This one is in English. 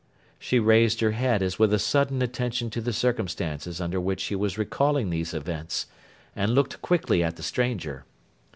She raised her head as with a sudden attention to the circumstances under which she was recalling these events, and looked quickly at the stranger.